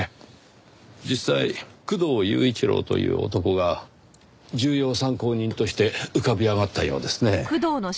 実際工藤雄一郎という男が重要参考人として浮かび上がったようですね。